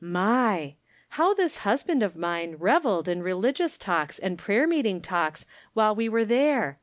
My ' How this husband of mine reveled in re hgious talks and prayer meeting talks while we were there.